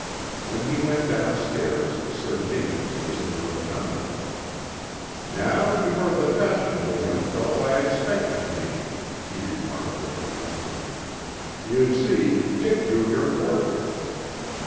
When he went downstairs Sir James was in the rotunda. "Now you are the fashionable young fellow I expected to meet," he remarked with a twinkle. "You see, Dick drew your portrait."